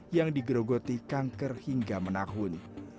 yang digerogoti kanker hingga menahun